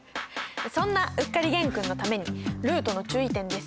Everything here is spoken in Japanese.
そんなうっかり玄君のためにルートの注意点です。